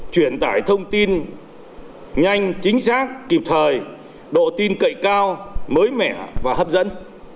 truyền tải thông tin nhanh chính xác kịp thời độ tin cậy cao mới mẻ và hấp dẫn